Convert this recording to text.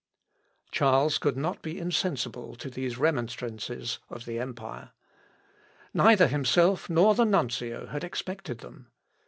p. 275.) Charles could not be insensible to these remonstrances of the empire. Neither himself nor the nuncio had expected them.